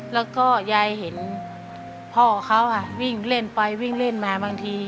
แล้วก็ยายเห็นพ่อเขาค่ะวิ่งเล่นไปวิ่งเล่นมาบางที